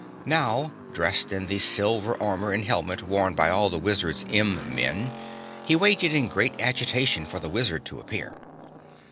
Now, dressed in the silver armor and helmet worn by all the Wizard's M Men, he waited in great agitation for the wizard to appear.